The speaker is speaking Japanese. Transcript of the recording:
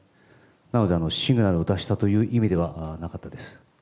なので、シグナルを出したという意味ではなかったです。